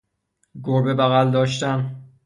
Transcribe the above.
گربه بغل داشتن